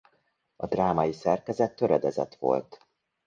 A drámai szerkezet töredezett volt.